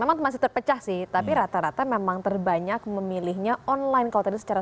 memang masih terpecah sih tapi rata rata memang terbanyak memilihnya online kalau tadi secara